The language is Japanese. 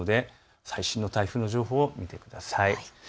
最新の台風の情報を見てください。